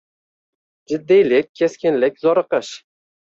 — Jiddiylik, keskinlik, zo’riqish.